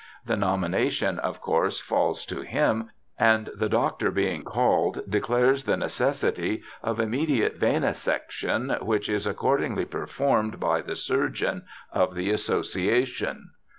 The nomination of course falls to him, and the doctor being called, declares the necessity of immediate venesection, which is accordingly performed by the surgeon of the asso ciation.'